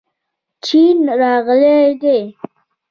چین راغلی دی.